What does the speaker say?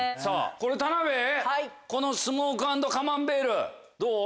田辺このスモーク＆カマンベールどう？